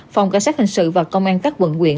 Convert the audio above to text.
phòng cảnh sát hình sự và công an các quận quyện